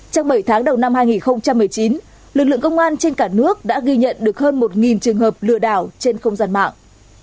trong bảy tháng đầu năm hai nghìn một mươi chín lực lượng công an trên cả nước đã ghi nhận được hơn một trường hợp lừa đảo trên không gian mạng